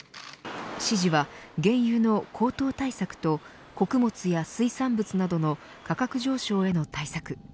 指示は原油の高騰対策と穀物や水産物などの価格上昇への対策